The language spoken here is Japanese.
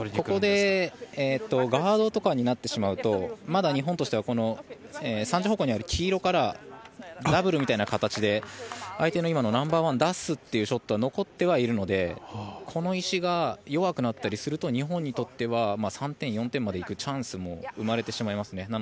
ここでガードとかになるとまだ日本としては３時方向にある黄色からダブルみたいな形で相手の今のナンバーワンを出すというショットが残ってはいるのでこの石が弱くなったりすると日本にとっては３点、４点まで行くチャンスも生まれてしまいますね。